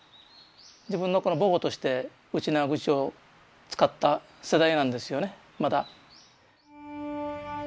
自分のこの母語としてウチナーグチを使った世代なんですよねまだ。